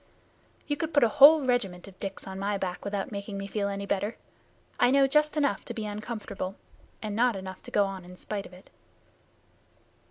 "You could put a whole regiment of Dicks on my back without making me feel any better. I know just enough to be uncomfortable, and not enough to go on in spite of it."